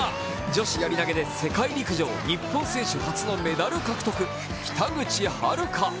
女子やり投げで世界陸上日本選手初のメダル獲得、北口榛花。